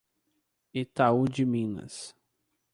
Itaú de Minas